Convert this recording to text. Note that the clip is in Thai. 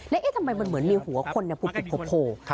แล้วเอ๊ะทำไมมันเหมือนมีหัวคนโผล่